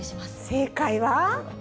正解は。